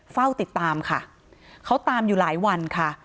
เฝ้าติดตามค่ะเขาตามอยู่หลายวันค่ะ